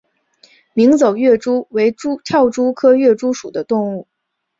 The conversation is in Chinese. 鸣走跃蛛为跳蛛科跃蛛属的动物。